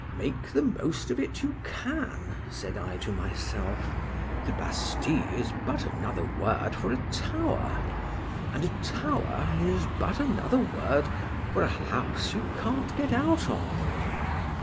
—Make the most of it you can, said I to myself, the Bastile is but another word for a tower;—and a tower is but another word for a house you can't get out of.